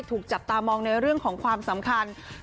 ถูกจับตามองในเรื่องของความสำคัญ